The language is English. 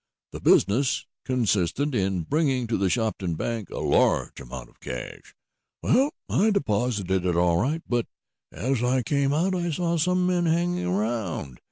The business consisted in bringing to the Shopton Bank a large amount of cash. Well, I deposited it all right, but, as I came out I saw some men hanging around.